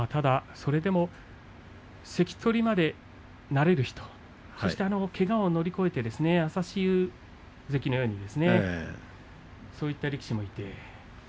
それでも関取までなれる人そして、けがを乗り越えて朝志雄関のようにそういった力士もいて。